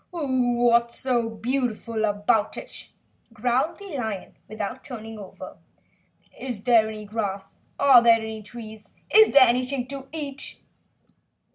"What's so beautiful about it?" growled the lion without turning over. "Is there any grass? Are there any trees? Is there anything to eat?"